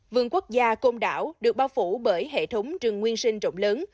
vườn quốc gia công đảo được bao phủ bởi hệ thống trường nguyên sinh rộng lớn